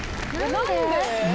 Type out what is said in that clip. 何で？